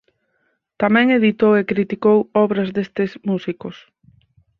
Tamén editou e criticou obras destes músicos.